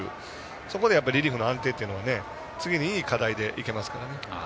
そこでリリーフの安定というものが次にいい課題でいけますから。